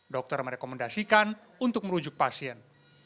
dokter merekomendasikan untuk merujuk pasien